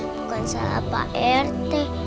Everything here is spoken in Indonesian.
bukan salah pak rt